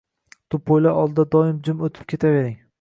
Tupoylar oldida doimo jim o‘tib ketavering!